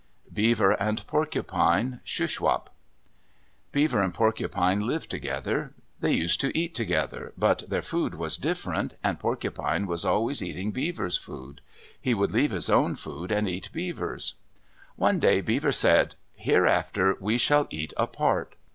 BEAVER AND PORCUPINE Shuswap Beaver and Porcupine lived together. They used to eat together, but their food was different and Porcupine was always eating Beaver's food. He would leave his own food and eat Beaver's. One day Beaver said, "Hereafter we shall eat apart."